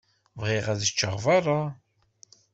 Bɣiɣ ad ččeɣ beṛṛa.